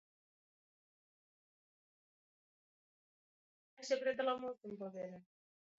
لەبن دیواری کۆنە قاوەخانەیەک خۆمان دابووە بەر سێبەر